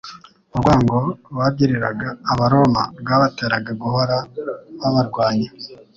Urwango bagiriraga abaroma rwabateraga guhora babarwanya.